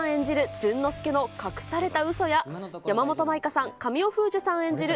淳之介の隠されたうそや、山本舞香さん、神尾楓珠さん演じる